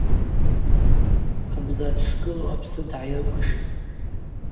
Абза дшгылу апсы дгӏайрыкӏвашитӏ.